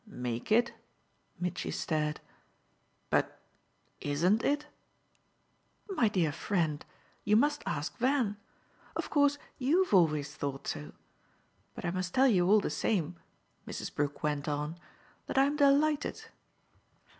"'Make it'?" Mitchy stared. "But ISN'T it?" "My dear friend, you must ask Van. Of course you've always thought so. But I must tell you all the same," Mrs. Brook went on, "that I'm delighted."